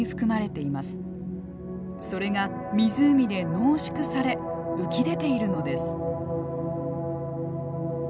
それが湖で濃縮され浮き出ているのです。